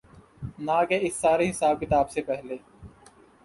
نہ کہ اس سارے حساب کتاب سے پہلے۔